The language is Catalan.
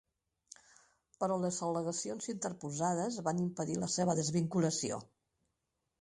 Però les al·legacions interposades van impedir la seva desvinculació.